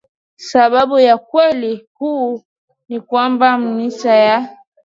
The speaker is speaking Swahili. Sababu ya ukweli huu ni kwamba misa ya